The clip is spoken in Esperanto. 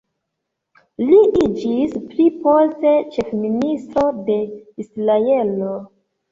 Li iĝis pli poste ĉefministro de Israelo.